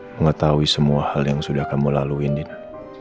mengetahui semua hal yang sudah kamu laluin itu